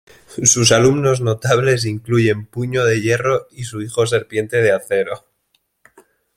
Sus alumnos notables incluyen Puño de Hierro y su hijo Serpiente de Acero.